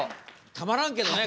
たまらんけどね